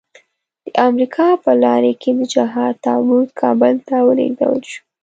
د امريکا په لارۍ کې د جهاد تابوت کابل ته ولېږدول شو.